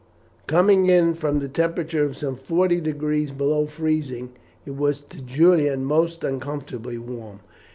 Coming in from the temperature of some forty degrees below freezing, it was to Julian most uncomfortably warm.